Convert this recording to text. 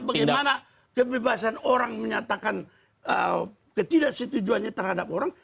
bagaimana kebebasan orang menyatakan ketidaksetujuannya terhadap orang